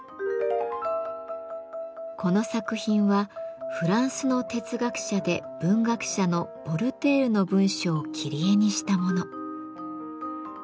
この作品はフランスの哲学者で文学者のヴォルテールの文章を切り絵にしたもの。